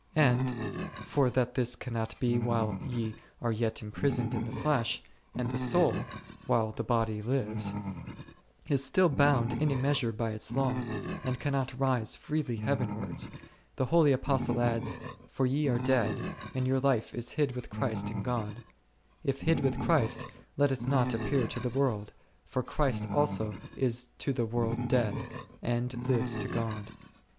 And, for that this cannot be while ye are yet imprisoned in the flesh, and the soul, while the body lives, is still bound in a measure by its law, and cannot rise freely heavenwards, the holy Apostle adds, For ye are dead, and your life is hid with Christ in God: if hid with Christ, let it not ap pear to the world, for Christ also is to the world dead, and lives to God.